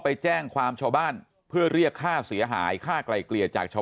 ไปแจ้งความชาวบ้านเพื่อเรียกค่าเสียหายค่าไกลเกลี่ยจากชาว